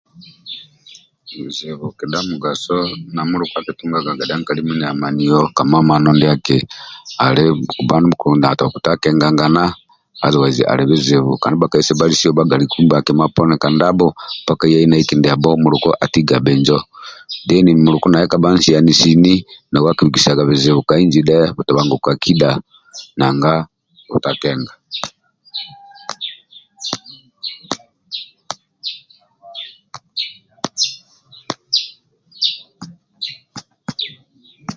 Bizibu kedha migaso ndia muluku kedga nkali mindia hamaniyo kamamano ndiaki ali nti kuba nibuli na bhuta kengangana ali bizibu kansi bakali sebalisiyo bagali kumba kima poni kandabho yai nai kindiabo muluku atiga binjo theni muluku naye kaba insiani sini nau akibhikisaga bijibu ka inji dhe katabanguko akidha nanga butakenga